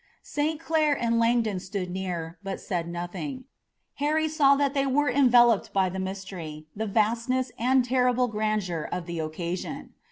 St. Clair and Langdon stood near, but said nothing. Harry saw that they were enveloped by the mystery, the vastness and the terrible grandeur of the occasion.